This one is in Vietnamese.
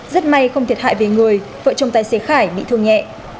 rất may không thiệt hại về người vợ chồng tài xế khải bị thương nhẹ